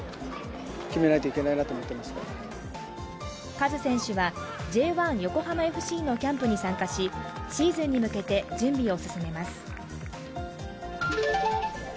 カズ選手は、Ｊ１・横浜ＦＣのキャンプに参加し、シーズンに向けて準備を進めます。